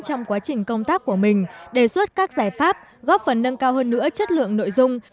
trong quá trình công tác của mình đề xuất các giải pháp góp phần nâng cao hơn nữa chất lượng nội dung